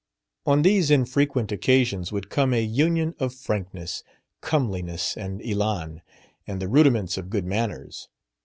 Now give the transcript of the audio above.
On these infrequent occasions would come a union of frankness, comeliness and élan, and the rudiments of good manners.